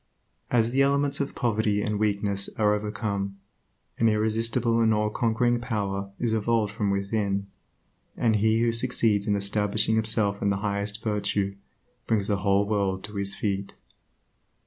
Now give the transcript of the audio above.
As the elements of poverty and weakness are overcome, an irresistible and allconquering power is evolved from within, and he who succeeds in establishing himself in the highest virtue, brings the whole world to his feet.